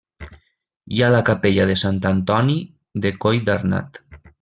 Hi ha la capella de Sant Antoni de Colldarnat.